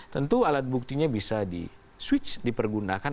tentu alat buktinya bisa dipergunakan